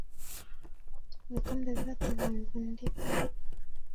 Vikombe vyote vinvundika